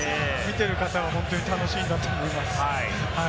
見ている方は本当に楽しんだと思います。